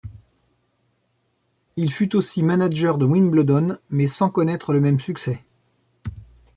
Il fut aussi manager de Wimbledon mais sans connaître le même succès.